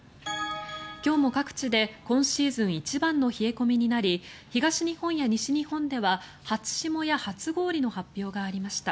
今日も各地で今シーズン一番の冷え込みになり東日本や西日本では初霜や初氷の発表がありました。